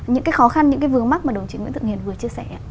những cái khó khăn những cái vướng mắt mà đồng chí nguyễn thượng hiền vừa chia sẻ